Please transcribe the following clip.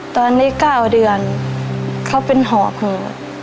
ตอนนี้๙เดือนเขาเป็นหอเผลอ